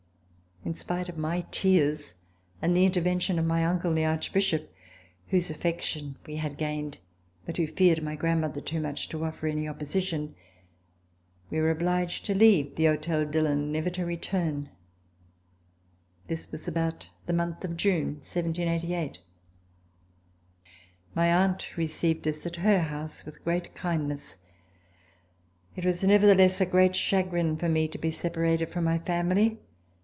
In spite of my tears and the intervention of my uncle, the Archbishop, whose afi^ection we had gained, but who feared my grandmother too much to ofi^er any opposition, we were obliged to leave the Hotel Dillon never to return. This was about the month of June, 1788. My aunt received us at her house with great kind C 59 ] RECOLLECTIONS OF THE REVOLUTION ness. It was nevertheless a great chagrin for me to be separated from my family.